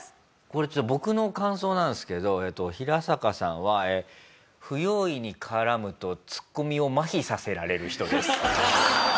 これちょっと僕の感想なんですけどヒラサカさんはえー不用意に絡むとツッコミを麻痺させられる人です。